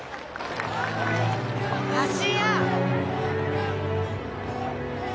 芦屋！